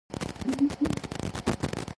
It is not associated with Princeton University.